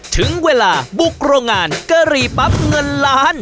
ถึงเวลาบุกโรงงานกะหรี่ปั๊บเงินล้าน